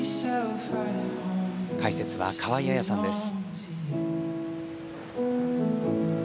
解説は河合彩さんです。